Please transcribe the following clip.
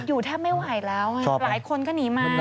ติดอยู่แทบไม่ไหวแล้วหลายคนก็หนีมาชอบไหม